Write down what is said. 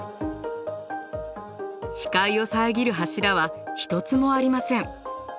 視界を遮る柱は一つもありません。